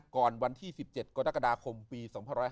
ก่อนวันที่๑๗กรดกระดาษควรปี๒๕๙